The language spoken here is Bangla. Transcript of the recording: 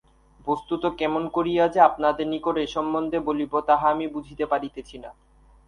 বস্তুত কেমন করিয়া যে আপনাদের নিকট এ-সম্বন্ধে বলিব, তাহা আমি বুঝিতে পারিতেছি না।